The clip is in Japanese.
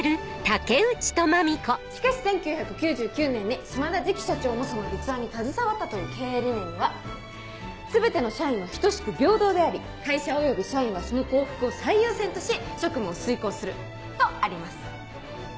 しかし１９９９年に島田次期社長もその立案に携わったという経営理念には「全ての社員は等しく平等であり会社および社員はその幸福を最優先とし職務を遂行する」とあります。